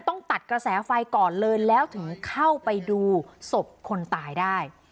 ต้องตัดกระแสไฟก่อนเลยแล้วถึงเข้าไปดูศพคนตายได้